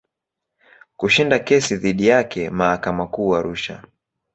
Kushinda kesi dhidi yake mahakama Kuu Arusha.